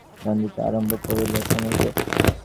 অমল সুর করিয়া সমারোহের সহিত পড়িতে আরম্ভ করিল।